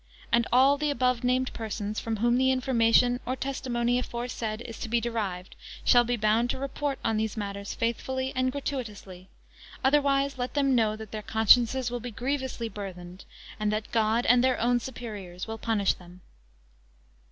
And all the above named persons, from whom the information, or testimony, aforesaid is to be derived shall be bound to report on these matters faithfully and gratuitously; otherwise let them know, that their conciences will be grievously burthened, and that God, and their own superiors, will punish them.